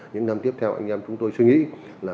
những năm tiếp theo anh em chúng tôi suy nghĩ là